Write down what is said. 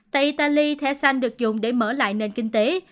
tại italy thẻ xanh được dùng để mở lại nền kinh tế